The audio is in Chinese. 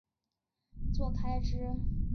通常这类人士都会收取利益作开支。